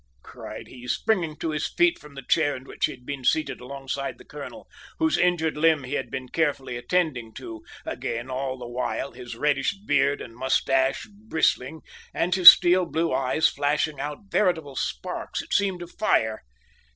cried he, springing to his feet from the chair in which he had been seated alongside the colonel, whose injured limb he had been carefully attending to again all the while, his reddish beard and moustache bristling, and his steel blue eyes flashing out veritable sparks, it seemed of fire.